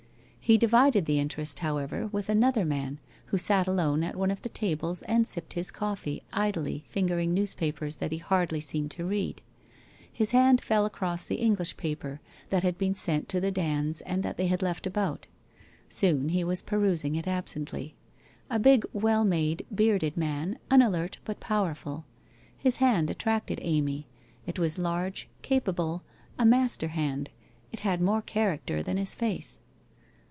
He divided the interest, however, with another man, who sat alone at one of the tables and sipped his coffee, idly fingering newspapers that he hardly seemed to read. His hand fell across the English paper that had been sent to the Dands and that they had left about. Soon he was perusing it absently. A big, well made, bearded man, unalert, but powerful. His hand attracted Amy, it was large, capable, a master hand, it had more character than hi ; face.